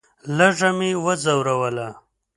لږه مې وځوروله.